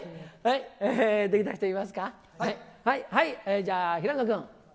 じゃあ平野君。